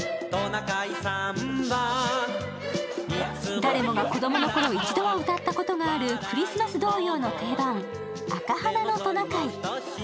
誰もが子供のころ、一度は歌ったことがあるクリスマス童謡の定番、「赤鼻のトナカイ」。